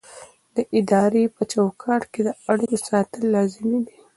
د ادارې په چوکاټ کې د اړیکو ساتل لازمي دي.